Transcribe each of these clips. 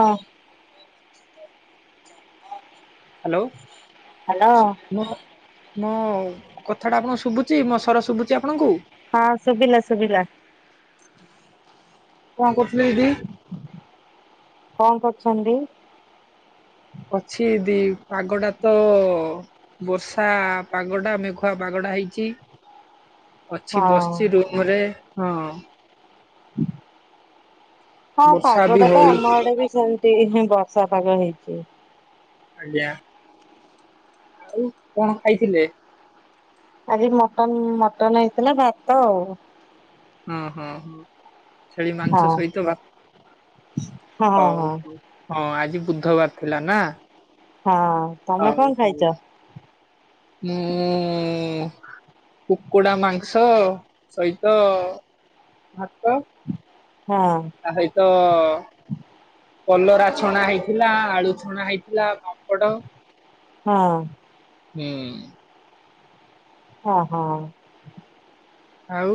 ଅ। Hello hello. ମୁ ମୋ କଥାଟା ଆପଣଙ୍କୁ ଶୁଭୁଚି ମୋ ସର ଶୁଭୁଚି ଆପଣଙ୍କୁ? ହଁ ଶୁବିଲା ଶୁବିଲା। କଣ କରୁଥିଲେ ଦିଦି? କଣ କରୁଛନ୍ତି? ଅଛି ଦି ପାଗଟା ତ ବର୍ଷା ପାଗଟା ମେଘୁଆ ପାଗଟା ହେଇଚି। ଅଛି ହଁ। ବସିଛି ରୁମୁରେ ହଁ। ହଁ ବର୍ଷା ପାଗ ବି ଟା ତ ହଉନି ଆମ ଆଡେ ବି ସେମିତି ବର୍ଷା ପାଗ ହେଇଚି। ଆଜ୍ଞା। ଆଉ କଣ ଖାଇଥିଲେ? ଆଜି ମଟନ୍, ମଟନ୍ ହେଇଥିଲା ଭାତ ଆଉ। ହୁଁ ହୁଁ ହୁଁ। ଛେଳି ହଁ ମାଂସ ସହିତ ବା ହଁ ହଉ ହଁ। ହଉ। ହଁ ଆଜି ବୁଧବାର ଥିଲା ନାଁ ହଁ ତମେ ଅଉ କଣ ହଉ।। ଖାଇଛ? ହୁଁ ଉଁ। କୁକୁଡ଼ା ମାଂସ ସହିତ ଭାତ। ହଁ। ଆଁ ହେଇତ। କଲରା ଛଣା ହେଇଥିଲା, ଆଳୁ ଛଣା ହେଇଥିଲା, ପାପଡ, ହଁ। ହୁଁ। ହଁ ହଁ। ଆଉ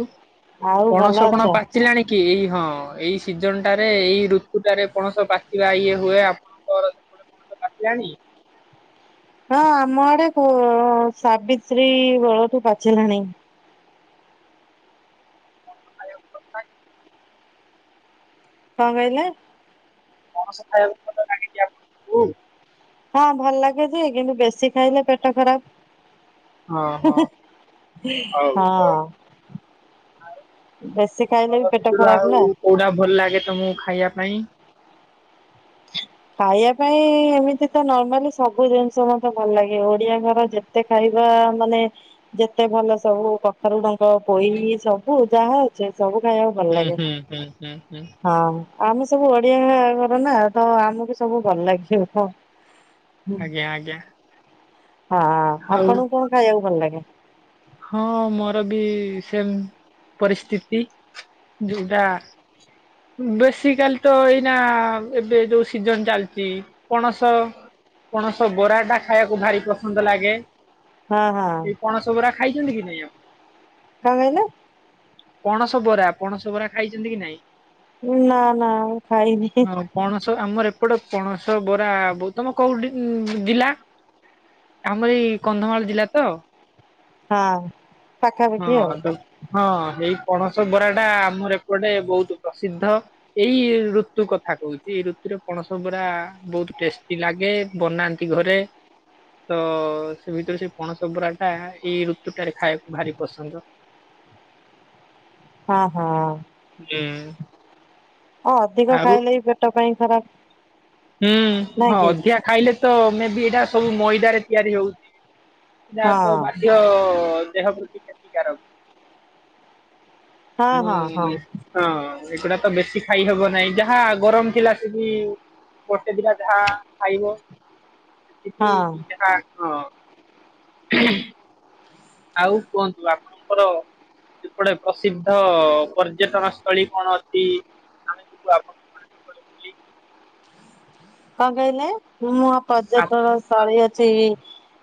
ଆଉ ଭଲ ପଣସ ଅଛ? କଣ ପା ବାଚିଲାଣି କି ଏଇ ହଁ ଏଇ ସିଜନଟାରେ ଏଇ ଋତୁ ଟାରେ ପଣସ ପାଚିବା ଇଏ ହୁଏ। ଘର ସେପଟେ କଣ ତ ପାଚିଲାଣି। ହଁ ଆମ ଆଡେ କୁଅ ସାବିତ୍ରୀ ବଳଠୁ ପାଚିଲାଣି। [unintelligible] କଣ କହିଲେ? ପଣସ ଖାଇ ବାକୁ। ହଁ ଭଲ ଲାଗେ ଯେ କିନ୍ତୁ ବେଶୀ ଖାଇଲେ ପେଟ ଖରାପ। ହଁ ହଁ ହଉ ହଉ ହଁ ବେଶୀ ଖାଇଲେ ବି ଫଳ ପେଟ ଭିତରୁ ଆଉ ଖରାପ ନା। କୋଉଟା ଭଲ ଲାଗେ ତମକୁ ଖାଇବା ପାଇଁ। ହ ଖାଇବା ପାଇଁ ଏମିତି ତ ନର୍ମାଲି ସବୁ ଜିନିଷ ମତେ ଭଲ ଲାଗେ ଓଡିଆ ଘର ଯେ ଏତେ ଖାଇବା ମାନେ ଯେତେ ଭଲ ସବୁ କଖାରୁଡଙ୍କ ପୋଇ ସବୁ ଯାହା ସେ ସବୁ ଖାଇବାକୁ ଭଲ ହୁଁ ଲାଗେ ହୁଁ ହୁଁ ହୁଁ ହୁଁ ହଁ। ଆମେ ସବୁ ଓଡିଆ ଘର ନାଁ ତ ଆମକୁ ସବୁ ଭଲ ଲାଗିବ ହଁ। ଆଜ୍ଞା ଆଜ୍ଞା। ହଁ ହଉ ଆପଣଙ୍କୁ କଣ ଖାଇବାକୁ ଭଲ ଲାଗେ? ହଁ ମୋର ବି ସେମ ପରିସ୍ଥିତି ଯୋଉଟା ବେଶୀକାଲି ତ ଏଇନା ଏବେ ଯୋଉ ସିଜନ ଚାଲିଛି, ପଣସ ପଣସ ବରା ଟା ଖାଇବାକୁ ଭାରି ପସନ୍ଦ ଲାଗେ। ହଁ ହଁ। ଆାଇଛନ୍ତି କି ନାଇଁ ଆପ କଣ କହିଲେ? ପଣସ ବରା, ପଣସ ବରା ଖାଇଛନ୍ତି କି ନାଇଁ? ଉ ନା ନା ମୁଁ ଖାଇନି। ହଁ ପଣସ ଆମର ଏପଟେ ପଣସ ବରା ବୋଉ ତମ କୋଉଠି ଜିଲା। ଆମର ଏଇ କନ୍ଧମାଳ ଜିଲ୍ଲା ତ। ହା। ହଁ ତ ହଁ ଏଇ ପଣସ ବରା ଟା ଆମର ଏପଟେ ବହୁତ ପ୍ରସିଦ୍ଧ। ଏଇ ଋତୁ କଥା କହୁଛି, ଏଇ ଋତୁରେ ପଣସ ବରା ବହୁତ ଟେଷ୍ଟି ଲାଗେ। ବନାନ୍ତି ଘରେ, ତ ସେ ଭିତରେ ସେ ପଣସବରା ଟା, ଏଇ ଋତୁ ଟାରେ ଖାଇବାକୁ ଭାରି ପସନ୍ଦ। ହଁ ହଁ ହୁଁ [inaudible] ଅ ଅଧିକ ଖାଇଲେ ବି ପେଟ ପାଇଁ ଖରାପ। ହୁଁ ନା ହଁ କି ଅଧିକା ଖାଇଲେ ତ ମେ ବି ଏଇଟା ସବୁ ମଇଦାରେ ତିଆରି ହଉଛି। ହଁ ଜା ତ ବାଧ୍ୟ ଦେହ ପ୍ରତି କ୍ଷତିକାରକ ହଁ ହଁ ହଁ ମୁଁ [inaudible] ହଁ ଏଗୁଡା ତ ବେଶୀ ଖାଇହବ ନାହିଁ ଯାହା ଗରମ ଥିଲା ସେବି ଗୋଟେ ଦିଟା ଯାହା ଖାଇବ। ହଁ। [unintelligible] ଆଉ କୁହନ୍ତୁ ଆପଣଙ୍କର ସେପଟେ ପ୍ରସିଦ୍ଧ ପର୍ଯ୍ୟଟନ ସ୍ଥଳୀ କଣ ଅଛି ଆମେ ଯିବୁ ଆଉ [unintelligible] କଁ କଇଲେ ମୁଁଆଁ ପର୍ଯ୍ୟଟନ ସ୍ଥଳୀ ଅଛି କି?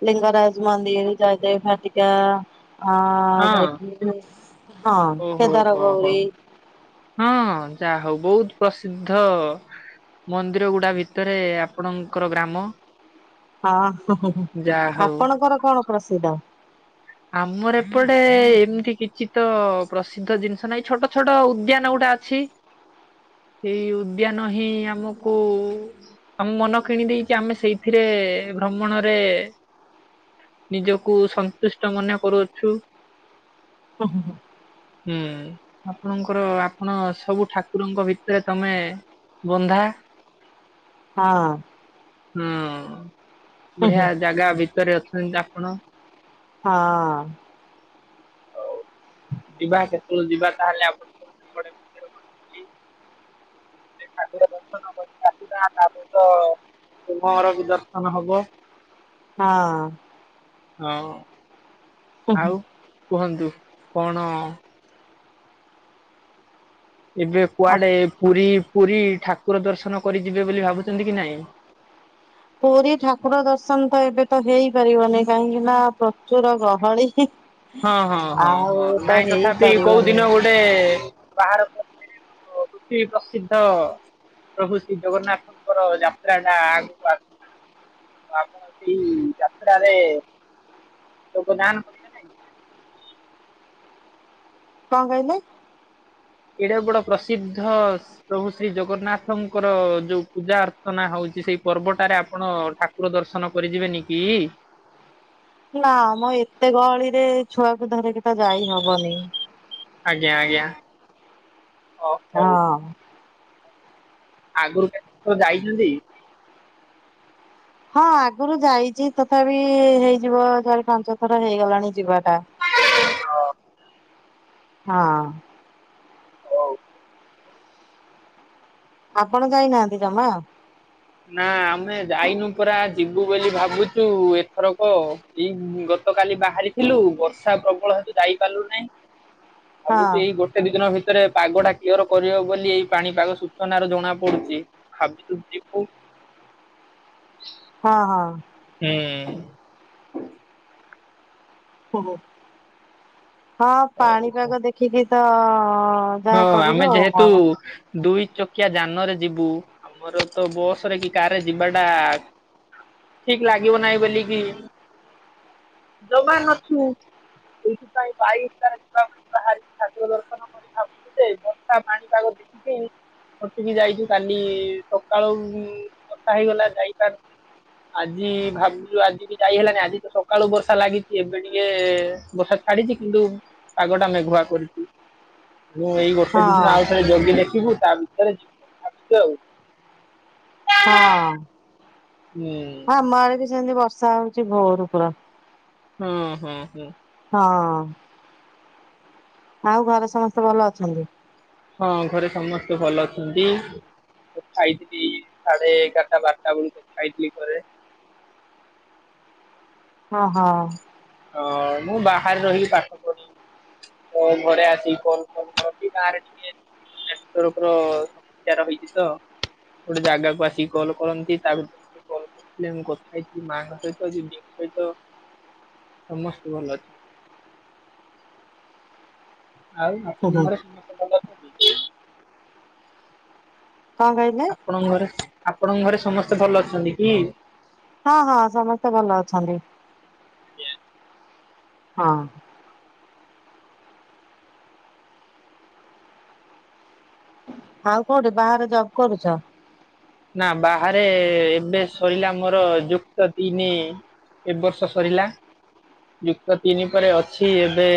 ଲିଙ୍ଗରାଜ୍ ମନ୍ଦିର୍ ଜୟଦେବ୍ ଭାଟିକା। ଆଁ ହଁ ଯାଇଥିଲୁ ଯୋଉ ହଁ ଓହୋ କେଦାର ହୋ ହୋ ଗୌରୀ। ହଁ ଯା ହଉ ବହୁତ ପ୍ରସିଦ୍ଧ। ମନ୍ଦିର ଗୁଡା ଭିତରେ ଆପଣଙ୍କର ଗ୍ରାମ ହଁ ହେଁ ଯାହା ହଉ ଆପଣଙ୍କର କଣ ପ୍ରସିଦ୍ଧ? ଆମର ଏପଟେ ଏମିତି କିଛି ତ ପ୍ରସିଦ୍ଧ ଜିନିଷ ନାହିଁ ଛୋଟ ଛୋଟ ଉଦ୍ୟାନ ଗୁଟା ଅଛି ସେଇ ଉଦ୍ୟାନ ହିଁ ଆମକୁ ଆମ ମନ କିଣି ଦେଇେଇଛି ଆମେ ସେଇଥିରେ ଭ୍ରମଣରେ ନିଜକୁ ସନ୍ତୁଷ୍ଟ ମନେ କରୁ ଅଛୁ। ହୁଁ। ହୁଁ ଆପଣଙ୍କର ଆପଣ ସବୁ ଠାକୁରଙ୍କ ଭିତରେ ତମେ ବନ୍ଧା ହଁ ହୁଁ ହୁଁ ହୁଁ ବଢିଆ ଜାଗା ଭିତରେ ଅଛନ୍ତି ଆପଣ। ହଁ। ହଉ ଯିବା କେତେଏଳେ ଯିବା ତାହେଲେ ଆପ ଏ ଠାକୁର ଦର୍ଶନ କରି ଆସିବା ତାପରେ ତ ତୁମ ଘରବି ଦର୍ଶନ ହବ। ହଁ। ହଁ ହୁଁ ହୁଁ ଆଉ କୁହନ୍ତୁ କଣ ଏବେ ଆ କୁଆଡ଼େ ପୁରୀ ପୁରୀ ଠାକୁର ଦର୍ଶନ କରି ଯିବେ ବୋଲି ଭାବୁଛନ୍ତି କି ନାଇଁ? ପୁରୀ ଠାକୁର ଦର୍ଶନ ତ ଏବେ ତ ହେଇପାରିବନି କାହିଁକି ନା ପ୍ରଚୁର ଗହଳି। ହଁ ହଁ ହଁ ଆଉ ହଁ ତ ନାଇଁ ତଥାପି କୋଉ ହେଇପାରିବନି ଦିନ ଗୋଟେ ବାହାର [unintelligible] [unintelligible] ପ୍ରସିଦ୍ଧ ପ୍ରଭୁ ଶ୍ରୀ ଜଗନ୍ନାଥଙ୍କର ଯାତ୍ରା ଟା ଆଗକୁ ଆସ ଆପଣ ସେଇ ଯାତ୍ରା ରେ ଯୋଗଦାନ କରିବେ ନାଇଁ? କଣ କହିଲେ? ଏଡେ ବଡ ପ୍ରସିଦ୍ଧ ପ୍ରଭୁ ଶ୍ରୀ ଜଗନ୍ନାଥଙ୍କର ଯୋଉ ପୂଜା ଅର୍ଚ୍ଚନା ହଉଛି ସେଇ ପର୍ବ ଟାରେ ଆପଣ ଠା ପଦର୍ଶନ କରିଯିବେନି କି? ନା ମ ଏତେ ଗହଳିରେ ଛୁଆକୁ ଧରିକି ତ ଯାଇ ହବନି। ଆଜ୍ଞା ଆଜ୍ଞା। ହ ହଉ ହଁ ଆଗରୁ କେତେ ଥର ଯାଇଛନ୍ତି? ହଁ ଆଗରୁ ଯାଇଛି। ତଥାପି ହେଇଯିବ ଚାରି ପାଞ୍ଚ ଥର ହେଇଗଲାଣି ଯିବାଟା [unintelligible] ହଁ। ଓ ଆପଣ ଯାଇନାହାନ୍ତି ଜମା। ନା ଆମେ ଯାଇନୁ ପୁରା ଯିବୁ ବୋଲି ଭାବୁଛୁ ଏଥରକ ଏଇ ଗତ କଲି ବାହାରିଥିଲୁ ବର୍ଷା ପ୍ରବଳ ହେତୁ ଯାଇପାରିଲୁ ନାହିଁ। ହଁ ଆମେ ତ ଏଇ ଗୋ କେତେ ଦିନ ଭିତରେ ପାଗଟା କ୍ଲିୟର୍ କରିବେ ବୋଲି ଏଇ ପାଣିପାଗ ସୂଚନାର ଜଣା ପଡ଼ୁଛି। ଭାବିଛୁ ଯିବୁ ହଁ ହଁ। ହୁଁ ହଁ ଆଉ ପାଣିପାଗ ଦେଖିକି ତ ହଁ ଯାହା କରିବ ଆମେ ଆଉ ଯେହେତୁ କଣ ଦୁଇ ଚକିଆ ଯାନରେ ଯିବୁ ଆମର ତ ବସ ରେ କି କାରରେ ଯିବାଟା? ଠିକ ଲାଗିବ ନାଇଁ ବୋଲିକି ଦବା ନଛୁ ସେଇଥିପାଇଁ ବାଇଗାରେ ଯିବା ପାଇଁ ବାହାରିକି ଠାକୁର ଦର୍ଶନ କରି ସେ ବର୍ଷା ପାଣିପାଗ ଦେଖିକି। ହଠିକି ଯାଇଛୁ କାଲି ସକାଳୁ ବଷା ହେଇଗଲା ଯାଇପାରୁ? ଆଜି ଭାବିଲୁ ଆଜି ବି ଯାଇ ହେଲାନି ଆଜି ତ ସକାଳୁ ବର୍ଷା ଲାଗିଛି ଏବେ ଟିକେ ବର୍ଷା। ଛାଡିଛି କିନ୍ତୁ ପାଗ ଟା ମେଘୁଆ କରିଛି। ମୁଁ ଏଇ ଗୋଟେ ଦି ଦିନ ହଁ। ଆଉ ଥରେ ଜଗି ଦେଖିବୁ ତା ତାହଲେ ଯଛ ଆଉ [inaudible] ହଁ। ହୁଁ। ଆମ ଆଡେ ବି ସେମିତି ବର୍ଷା ହଉଛି ଭୋରୁ ପୁରା। ହୁଁ ହୁଁ ହୁଁ। ହଁ ଆଉ ଘରେ ସମସ୍ତେ ଭଲ ଅଛନ୍ତି? ହଁ ଘରେ ସମସ୍ତେ ଭଲ ଅଛନ୍ତି। ମୁଁ ଖାଇଥିଲି ସାଢେ ଏଗାରଟା ବାରଟା ବେଳକୁ ଖାଇଥିଲି ଘରେ। ହଁ ହଁ। ଅ ମୁଁ ବାହାରେ ରହିକି ପାଠ। ଚଟଣି ତ ଘରେ ଆସିକି କମ୍ କମ୍ ଖାଉଚି ଗାଁ ରେ ଟିକିଏ [unintelligible] ସମସ୍ୟା ରହିଛି ତ। ଗୋଟେ ଜାଗାକୁ ଆସିକି କଲ୍ କରନ୍ତି ତା ଭିତ ସେ କଲ କରିଥିଲେ ମୁଁ କଥା ହେଇଚି ମାଙ୍କ ସହିତ ଦିଦିଙ୍କ ସହିତ। ସମସ୍ତେ ଭଲ ଅଛି। ଆଉ ହୁଁ ହୁଁ ଆପଣଙ୍କର ସମସ୍ତେ ଭଲ ଅଛନ୍ତି? କଣ କହିଲେ? ଆପଣଙ୍କ ଘରେ ଆପଣଙ୍କ ଘରେ ସମସ୍ତେ ଭଲ ଅଛନ୍ତି କି? ହଁ ହଁ ସମସ୍ତେ ଭଲ ଅଛନ୍ତି। ହଁ। ଆଉ କୋଉଠି ବାହାରେ ଜବ୍ କରୁଛ? ନାଁ ବାହାରେ ଏବେ ସରିଲା ମୋର ଯୁକ୍ତ ତିନି। ଏବର୍ଷ ସରିଲା ଯୁକ୍ତ ତିନି ପରେ ଅଛି ଏବେ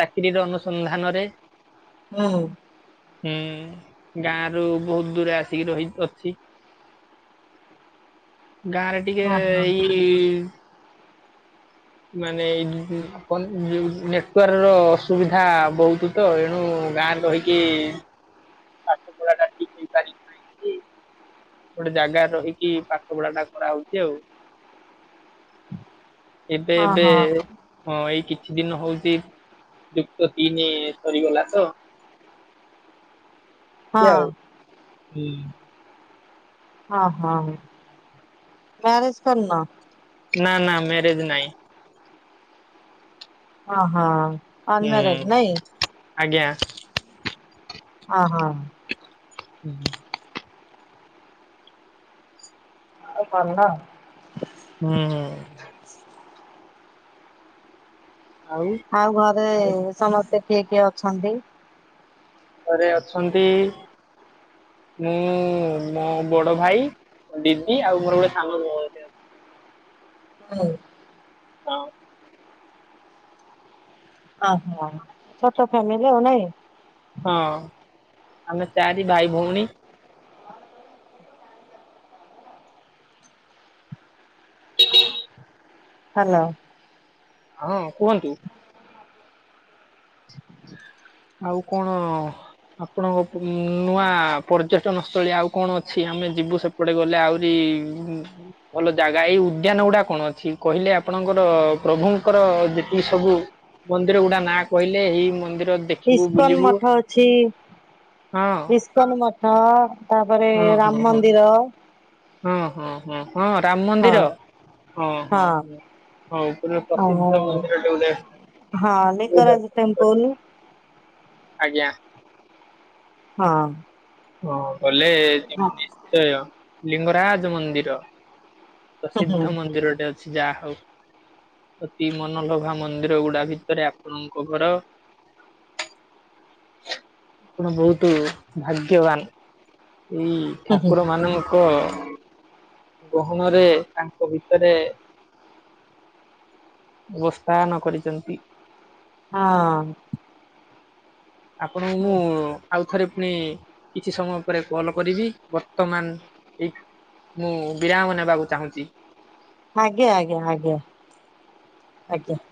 ଚାକିରିର ଅନୁସନ୍ଧାନରେ। ଓହୋ। ହୁଁ ଗାଁ ରୁ ବୋହୁତ ଦୂରେ ଆସିକି ରହି ତ ଛି ଗାଁରେ ଟିକେ ହଁ ହଁ ଏଇ ମାନେ ଏଇ କଣ ଜୁ ନେଟୱାର୍କ ର ଅସୁବିଧା ବହୁତୁ ତ ଏଣୁ ଗାଁରେ ରହିକି ପାଠ ପଢ଼ା ଗୋଟେ ଜାଗାରେ ରହିକି ପାଠ ପଢ଼ାଟା କରାହଉଚି ଆଉ। ଏବେ ହଁ ଏବେ ହଁ ହଁ ଏଇ କିଛି ଦିନ ହଉଛି ଯୁକ୍ତ ତିନି ସରିଗଲା ତ ହଁ ଖିଆଉ ହୁଁ ହଁ ହଂ ମ୍ୟାରଜ କରିନ? ନାଁ ନାଁ ମ୍ୟାରେଜ ନାଇଁ। ଓହୋ। ଅନମ୍ୟାରେଡ ନାଇଁ ହୁଁ ଆଜ୍ଞା। ଅ ହ। ହୁଁ। ଏ ସରିଲା ହୁଁ ହୁଁ। ଆଉ ଘରେ ଆଉ ସମସ୍ତେ କିଏ କିଏ ଅଛନ୍ତି? ଘରେ ଅଛନ୍ତି ମୁଁ ମୋ ବଡ଼ ଭାଇ, ଦିଦି ଆଉ ମୋର ଗୋଟେ ସାନ ଭ ହୁଁ। [unintelligible] ଓହୋ ଛୋଟ ଫ୍ୟାମିଲି ଆଉ ନାଇଁ? ହଁ ଆମେ ଚାରି ଭାଇ ଭଉଣୀ। ହ୍ୟାଲୋ। ହଁ କୁହନ୍ତୁ। ଆଉ କଣ ଆପଣଙ୍କ ନୂଆ ପର୍ଯ୍ୟଟନ ସ୍ଥଳୀ ଆଉ କଣ ଅଛି ଆମେ ଯିବୁ ସେପ୍ ପଟେ ଗଲେ ଆଉରି ଭଲ ଜାଗା ଏଇ ଉଦ୍ୟାନ ଗୁଡା କଣ ଅଛି କହିଲେ ଆପଣଙ୍କର ପ୍ରଭୁଙ୍କର ଯେତିକି ସବୁ। ମନ୍ଦିର ଗୁଡା ନାଁ କହିଲେ ଏଇ ମନ୍ଦିର ଦେ ଇସ୍କନ ମଠ ଅଛି। ହଁ ଇସ୍କନ ମଠ ତାପରେ ହଁ ହଁ ରାମ ହଁ ମନ୍ଦିର। ହଁ ହଁ ହଁ ହଁ ରାମ ହଁ ମନ୍ଦିର ହଁ ହଁ ହଁ। ଓହୋ [unintelligible] ହଁ ଯିବୁ ଲିଙ୍ଗରାଜ ଦର୍ଶନ କରି। ଟେମ୍ପଲ। ଆଜ୍ଞା। ହଁ। ହଁ ଗଲେ ଯ ହୁଁ ନିଶ୍ଚୟ ଲିଙ୍ଗରାଜ ମନ୍ଦିର। ପ୍ରସିଦ୍ଧ ହୁଁ ମନ୍ଦିରଟେ ଅଛି ଯାହା ହଉ। ଅତି ମନଲୋଭା ମନ୍ଦିର ଗୁଡା ଭିତରେ ଆପଣଙ୍କ ଘର। ଆପଣ ବହୁତ ଭାଗ୍ୟବାନ। ଏଇ ହୁଁ ଠାକୁର ମାନଙ୍କ ଗହଣ ରେ ତାଙ୍କ ଭିତରେ। ଅବସ୍ଥାନ କରିଛନ୍ତି। ହଁ। ଆପଣଙ୍କୁ ମୁଁ। ଆଉ ଥରେ ପୁଣି କିଛି ସମୟ ପରେ କଲ କରିବି ବର୍ତ୍ତମାନ ଏଇ ମୁଁ ବିରାମ ନେବାକୁ ଚାହୁଁଛି। ଆଜ୍ଞା ଆଜ୍ଞା ଆଜ୍ଞା ଆଜ୍ଞା।